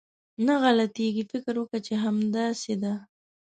نه غلطېږي، فکر وکه چې همداسې ده.